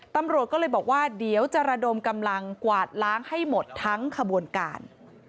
ตำรวจก็เลยบอกว่าเดี๋ยวจะระดมกำลังกวาดล้างให้หมดทั้งขบวนการ